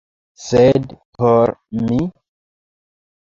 Sed por mi?